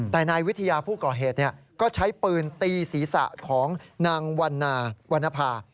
แต่นายวิทยาผู้ก่อเหตุก็ใช้ปืนตีศีรษะของนางวันนาวรรณภา